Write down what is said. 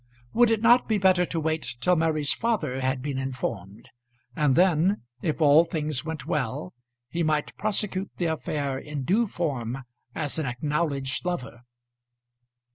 Would it not be better to wait till Mary's father had been informed? and then, if all things went well, he might prosecute the affair in due form and as an acknowledged lover.